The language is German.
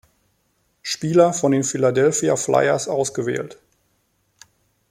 Spieler von den Philadelphia Flyers ausgewählt.